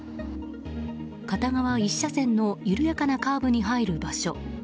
片側１車線の緩やかなカーブに入る場所。